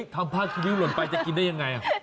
ทำผ้าคิริ้วหล่นไปจะกินได้ยังไง